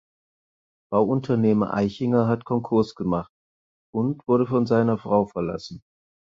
Bauunternehmer Eichinger hat Konkurs gemacht und wurde von seiner Frau verlassen.